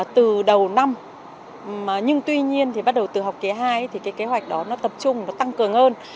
từ đầu năm nhưng tuy nhiên thì bắt đầu từ học kỳ hai thì cái kế hoạch đó nó tập trung nó tăng cường hơn